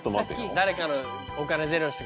誰かのお金ゼロにして。